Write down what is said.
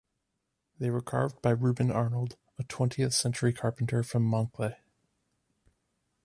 They were carved by Reuben Arnold, a twentieth century carpenter from Monkleigh.